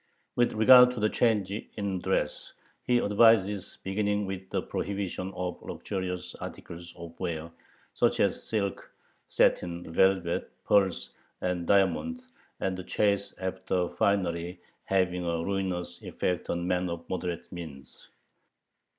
With regard to the change in dress, he advises beginning with the prohibition of luxurious articles of wear, such as silk, satin, velvet, pearls, and diamonds, the chase after finery having a ruinous effect on men of moderate means.